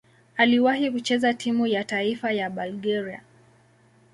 Aliwahi kucheza timu ya taifa ya Bulgaria.